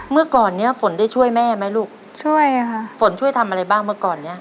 เมื่อก่อนเนี้ยฝนได้ช่วยแม่ไหมลูกช่วยค่ะฝนช่วยทำอะไรบ้างเมื่อก่อนเนี้ย